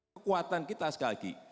kekuatan kita sekali lagi